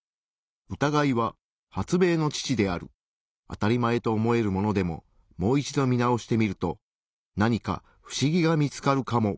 当たり前と思えるものでももう一度見直してみると何か不思議が見つかるかも。